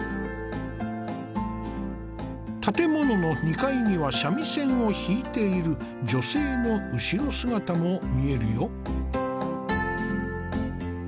建物の２階には三味線を弾いている女性の後ろ姿も見えるよ。